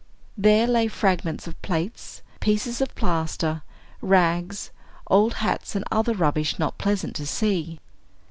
There lay fragments of plates, pieces of plaster, rags, old hats, and other rubbish not pleasant to see.